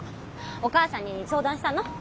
お母さんに相談したの？